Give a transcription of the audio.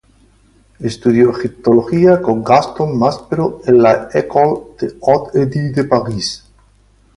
Estudió egiptología con Gaston Maspero en la "École des Hautes Études" de París.